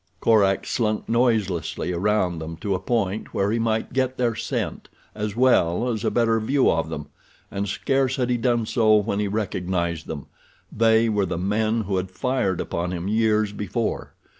Korak slunk noiselessly around them to a point where he might get their scent as well as a better view of them, and scarce had he done so when he recognized them—they were the men who had fired upon him years before.